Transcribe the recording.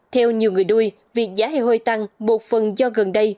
theo nhiều người đuôi việc giá heo hơi tăng một phần do gần đây